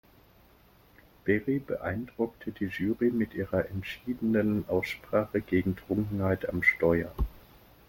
Berry beeindruckte die Jury mit ihrer entschiedenen Aussprache gegen Trunkenheit am Steuer.